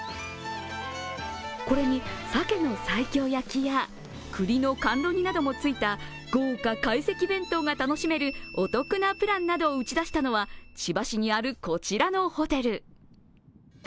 これに鮭の西京焼きやくりの甘露煮などもついた豪華会席弁当が楽しめるお得なプランなどを打ち出したのは千葉市にある、こちらのホテル。